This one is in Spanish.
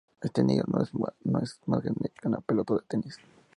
Este nido no es más grande que una pelota de tenis.